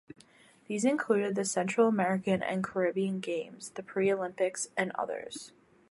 These included the Central American and Caribbean Games, the Pre-Olympics and others.